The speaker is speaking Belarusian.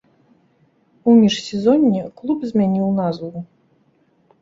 У міжсезонне клуб змяніў назву.